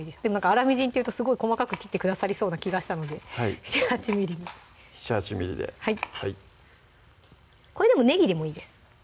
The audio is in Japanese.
粗みじんっていうとすごい細かく切ってくださりそうな気がしたので７８ｍｍに７８ｍｍではいこれでもねぎでもいいです